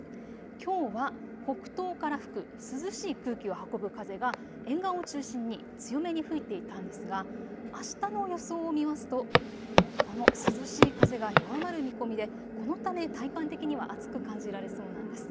きょうは北東から吹く涼しい空気を運ぶ風が沿岸を中心に強めに吹いていたんですがあしたの予想を見ますとこの涼しい風が弱まる見込みでこのため体感的には暑く感じられそうなんです。